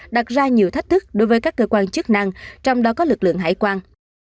đặt ra nhiều thách thức đối với các cơ quan chức năng trong đó có lực lượng hải quan